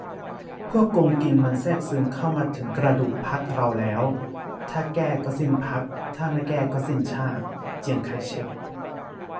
"พวกโกงกินมันแทรกซึมเข้ามาถึงกระดูกพรรคเราแล้ว ถ้าแก้ ก็สิ้นพรรค ถ้าไม่แก้ ก็สิ้นชาติ" - เจียงไคเช็ก